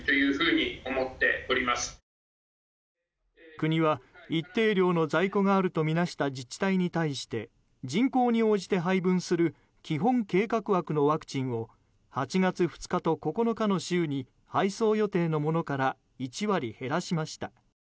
国は、一定量の在庫があるとみなした自治体に対して人口に応じて分配する基本計画枠のワクチンを８月２日と９日の週に配送予定のものから１割減らしました。